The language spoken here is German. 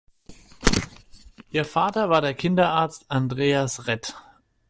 Ihr Vater war der Kinderarzt Andreas Rett.